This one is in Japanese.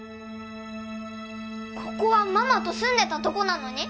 ここはママと住んでたとこなのに？